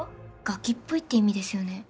ガキっぽいって意味ですよね？